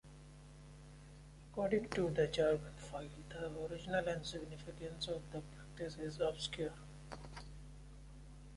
According to the Jargon File, the origin and significance of the practice is obscure.